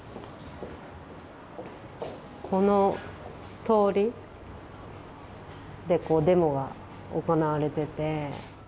この通りでデモが行われてて。